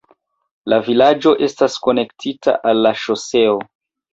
La vilaĝo estas konektita al la ŝoseo.